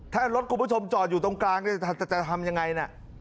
ถ้ารถคุณผู้ชมจอดอยู่ตรงกลางเนี่ยจะทำยังไงนะ